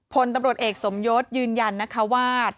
พลตำรวจเอกสมยศยืนยันนะคะว่า